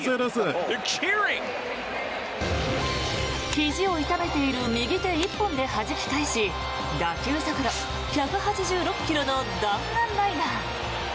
ひじを痛めている右手一本ではじき返し打球速度１８６ｋｍの弾丸ライナー。